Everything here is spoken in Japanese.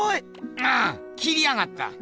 ああ切りやがった。